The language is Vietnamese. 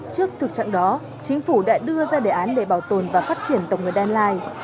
trước thực trạng đó chính phủ đã đưa ra đề án để bảo tồn và phát triển tổng người đan lai